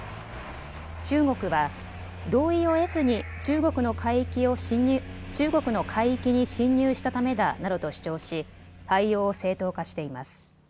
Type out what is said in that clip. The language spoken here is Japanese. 中国は同意を得ずに中国の海域に侵入したためだなどと主張し、対応を正当化しています。